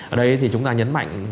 ở đây thì chúng ta nhấn mạnh